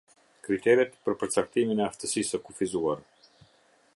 Kriteret për përcaktimin e aftësisë së kufizuar.